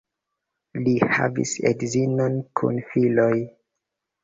Li havis edzinon kun filoj.